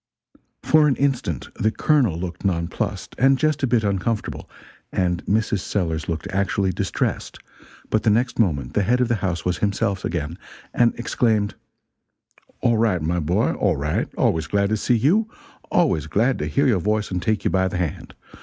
For an instant the Colonel looked nonplussed, and just a bit uncomfortable; and Mrs. Sellers looked actually distressed; but the next moment the head of the house was himself again, and exclaimed: "All right, my boy, all right always glad to see you always glad to hear your voice and take you by the hand.